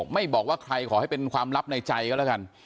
ไม่บอกว่าใครขอให้เป็นความลับในใจก็แล้วกัน